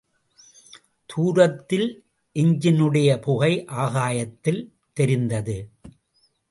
தூரத்தில் எஞ்சினுடைய புகை ஆகாயத்தில் தெரிந்தது.